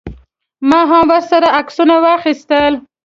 ما هم ورسره عکسونه واخیستل.